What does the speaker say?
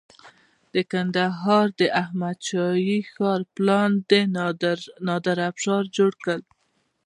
د کندهار د احمد شاهي ښار پلان د نادر افشار جوړ کړ